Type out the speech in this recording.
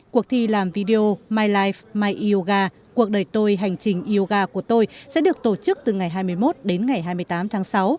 cuộc thi làm video mylife my yoga cuộc đời tôi hành trình yoga của tôi sẽ được tổ chức từ ngày hai mươi một đến ngày hai mươi tám tháng sáu